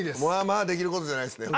まぁできることじゃないですね。